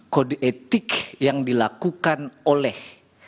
kode etik yang dilakukan oleh